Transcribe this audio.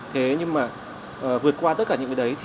thế nhưng mà vượt qua tất cả những cái đấy